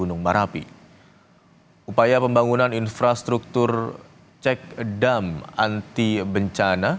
upaya pembangunan infrastruktur cek dam anti bencana